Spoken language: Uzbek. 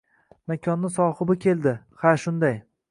Makonni sohibi keldi, ha shunday.